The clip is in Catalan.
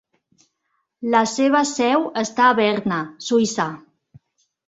La seva seu està a Berna, Suïssa.